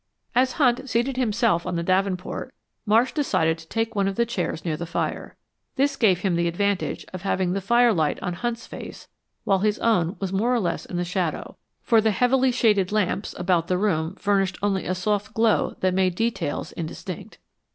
As Hunt seated himself on the davenport, Marsh decided to take one of the chairs near the fire. This gave him the advantage of having the firelight on Hunt's face while his own was more or less in the shadow, for the heavily shaded lamps about the room furnished only a soft glow that made details indistinct.